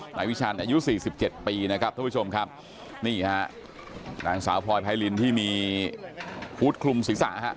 หนักวิชาญอายุ๔๗ปีนะครับท่านผู้ชมครับนี่ฮะนางสาวพลอยพัยลินที่มีฮุดคลุมศีรษะครับ